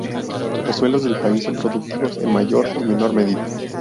Los suelos del país son productivos en mayor y menor medida.